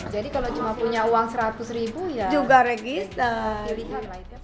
jadi kalau cuma punya uang seratus ribu ya maksudnya itu maksudnya isinya nilainya dari rp satu sampai lima juta ya mbak